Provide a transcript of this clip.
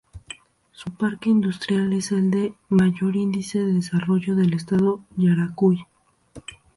Su parque industrial es el de mayor índice de desarrollo del estado Yaracuy.